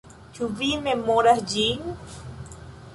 Ĉu vi memoras ĝin?